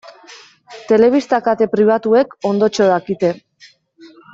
Telebista kate pribatuek ondotxo dakite.